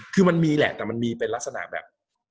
คือมันมีแหละแต่มันมีเป็นลักษณะแบบ